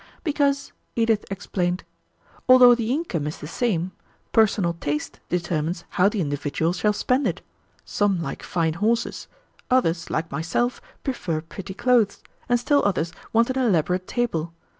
"Because," Edith explained, "although the income is the same, personal taste determines how the individual shall spend it. Some like fine horses; others, like myself, prefer pretty clothes; and still others want an elaborate table.